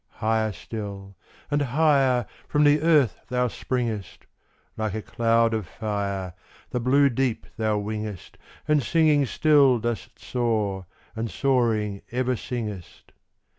Higher still and higher From the earth thou springest: Like a cloud of fire, The blue deep thou wingest, And singing still dost soar, and soaring ever singest.